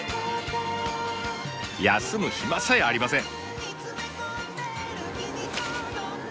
休む暇さえありません。